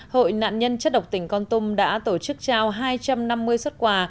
hội nạn nhân chất độc tỉnh con tum đã tổ chức trao hai trăm năm mươi xuất quà